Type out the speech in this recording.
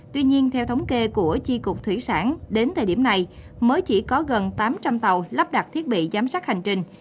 tuy nhiên theo thống kê của tri cục thủy sản đến thời điểm này mới chỉ có gần tám trăm linh tàu lắp đặt thiết bị giám sát hành trình